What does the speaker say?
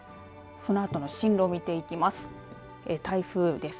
そのあとの進路を見ていきます。